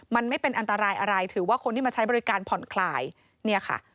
มันไม่เป็นอันตรายอะไรถือว่าคนที่มาใช้บริการผ่อนคลายเนี่ยค่ะ